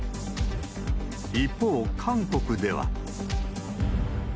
一方、韓国では。